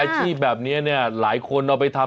ชีวิตแบบนี้ล้ายคนเอาไปทำ